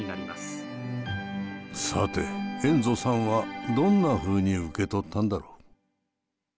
さてエンゾさんはどんなふうに受け取ったんだろう？